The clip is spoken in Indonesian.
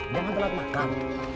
jangan berlat makan